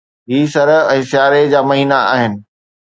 هي سرءُ ۽ سياري جا مهينا آهن.